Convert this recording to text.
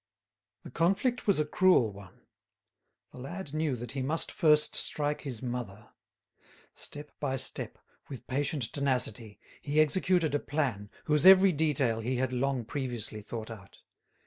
The conflict was a cruel one; the lad knew that he must first strike his mother. Step by step, with patient tenacity, he executed a plan whose every detail he had long previously thought out.